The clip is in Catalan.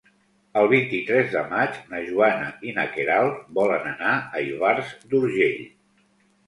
El vint-i-tres de maig na Joana i na Queralt volen anar a Ivars d'Urgell.